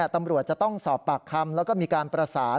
ตำรวจจะต้องสอบปากคำแล้วก็มีการประสาน